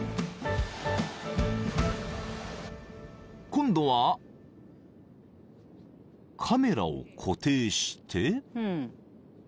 ［今度はカメラを固定して］